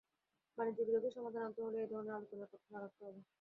বাণিজ্য বিরোধে সমাধান আনতে হলে এ ধরনের আলোচনার পথ খোলা রাখতে হবে।